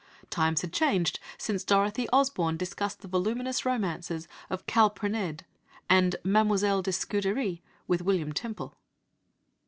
Times had changed since Dorothy Osborne discussed the voluminous romances of Calprenède and Mademoiselle de Scudéri with William Temple.